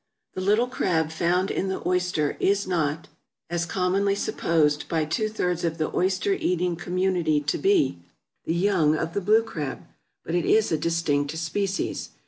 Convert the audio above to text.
The little crab found in the oyster is not, as commonly supposed by two thirds of the oyster eating community to be, the young of the blue crab; but it is a distinct species.